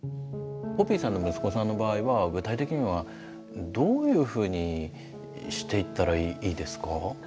ポピーさんの息子さんの場合は具体的にはどういうふうにしていったらいいですか？